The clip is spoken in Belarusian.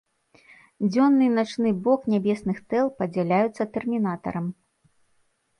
Дзённы і начны бок нябесных тэл падзяляюцца тэрмінатарам.